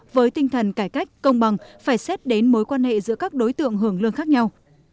với tinh thần cải cách công bằng phải xét đến mối quan hệ giữa các đối tượng hưởng lương khác nhau